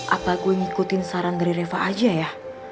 apa gue ngikutin saran dari reva aja ya